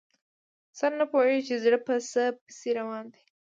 سر نه پوهېږي چې زړه په څه پسې روان دی.